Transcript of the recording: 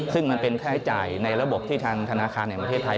ซึ่งมันเป็นค่าใช้จ่ายในระบบที่ทางธนาคารแห่งประเทศไทย